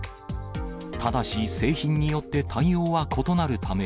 ただし、製品によって対応は異なるため、